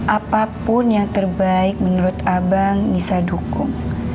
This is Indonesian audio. apapun yang terbaik menurut abang bisa dukung